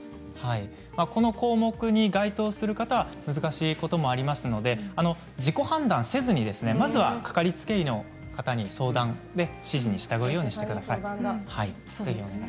この項目に該当する方は難しいこともありますので自己判断をせずに掛かりつけ医の指示に従うようにしてください。